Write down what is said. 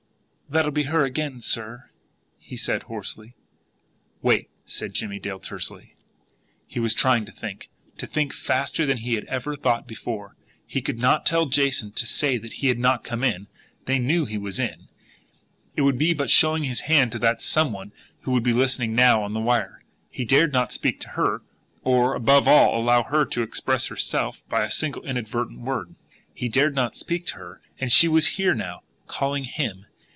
"That'll be her again, sir," he said hoarsely. "Wait!" said Jimmie Dale tersely. He was trying to think, to think faster than he had ever thought before. He could not tell Jason to say that he had not yet come in THEY knew he was in, it would be but showing his hand to that "some one" who would be listening now on the wire. He dared not speak to her, or, above all, allow her to expose herself by a single inadvertent word. He dared not speak to her and she was here now, calling him!